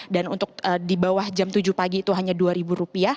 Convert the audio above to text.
dan untuk di bawah jam tujuh pagi itu hanya rp dua